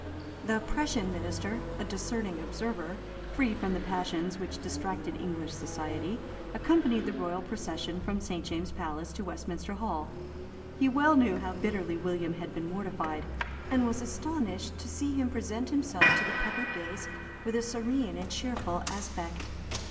The Prussian Minister, a discerning observer, free from the passions which distracted English society, accompanied the royal procession from St. James's Palace to Westminster Hall. He well knew how bitterly William had been mortified, and was astonished to see him present himself to the public gaze with a serene and cheerful aspect.